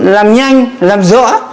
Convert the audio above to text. làm nhanh làm rõ